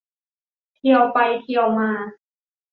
เทียวไปเทียวมา